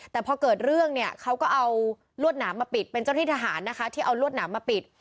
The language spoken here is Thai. แต่พอเกิดเรื่องเนี่ยเขาก็เอาลวดหนามมาปิดเป็นเจ้าที่ทหารนะคะที่เอารวดหนามมาปิด